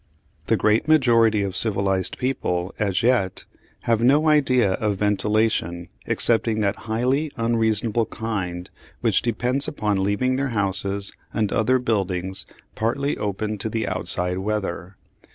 The great majority of civilised people, as yet, have no idea of ventilation excepting that highly unreasonable kind which depends upon leaving their houses and other buildings partly open to the outside weather.